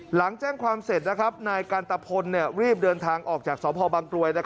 หลังแจ้งความเสร็จนายกันตะพลรีบเดินทางออกจากสพบางกรวย